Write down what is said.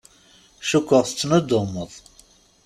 Cukkeɣ tettnuddumeḍ.